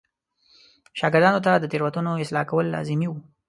شاګردانو ته د تېروتنو اصلاح کول لازمي و.